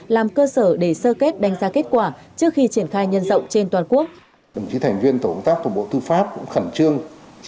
làm cơ sở để sơ kết đánh giá kết quả trước khi triển khai nhân rộng trên toàn quốc